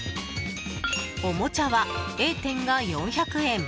おもちゃはＡ店が４００円